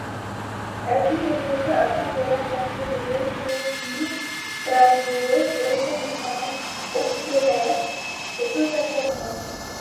Elle fut développée afin de remplacer les automitrailleuses de reconnaissance obsolètes et peu performantes.